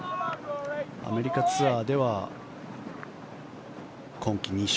アメリカツアーでは今季２勝。